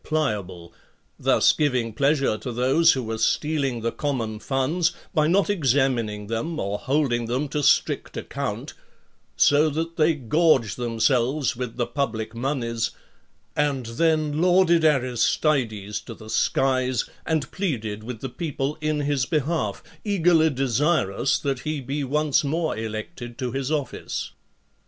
pliable, thus giving pleasure to those who were stealing the common funds by not examining them or holding them to strict account, so that they gorged them selves with the public moneys, and then lauded Aristides to' the skies, and pleaded with the people in his: behalf, eagerly, desirous that he be once: more elected to his office.